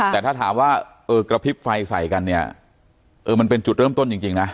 แต่ถ้าถามว่าเออกระพริบไฟใส่กันเนี่ยเออมันเป็นจุดเริ่มต้นจริงนะ